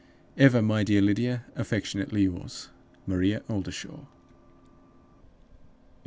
"Ever, my dear Lydia, affectionately yours, "MARIA OLDERSHAW." II.